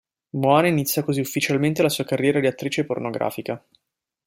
Moana inizia così ufficialmente la sua carriera di attrice pornografica.